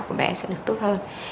của bé sẽ được tốt hơn